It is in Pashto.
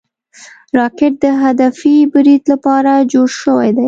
راکټ د هدفي برید لپاره جوړ شوی دی